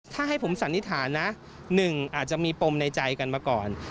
ถ้าให้ผมสันนิษฐานนะ๑อาจจะมีปมในใจกันมาก่อน